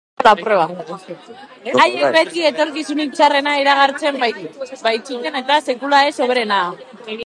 Haiek beti etorkizunik txarrena iragartzen baitzuten eta sekula ez hoberena.